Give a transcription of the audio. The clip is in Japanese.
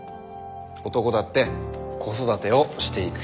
男だって子育てをしていく必要がある。